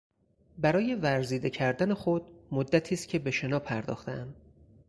برای ورزیده کردن خود مدتی است که به شنا پرداختهام.